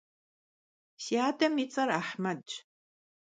Si adem yi ts'er Ahmedş.